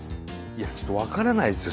ちょっと分からないですよ